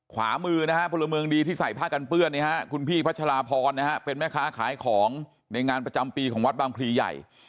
ขวามือนะฮะพลเมืองดีที่ใส่ผ้ากันเปื้อนคุณพี่พัชราพรนะฮะเป็นแม่ค้าขายของในงานประจำปีของวัดบางพลีใหญ่